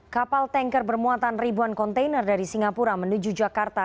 kapal tanker bermuatan ribuan kontainer dari singapura menuju jakarta